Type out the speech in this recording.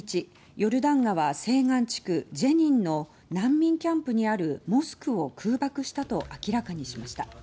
ヨルダン川西岸地区ジェニンの難民キャンプにあるモスクを空爆したと明らかにしました。